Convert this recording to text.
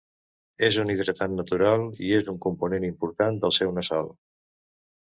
És un hidratant natural i és un component important del seu nasal.